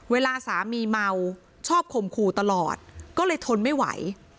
เวลาสามีเมาชอบข่มขู่ตลอดก็เลยทนไม่ไหว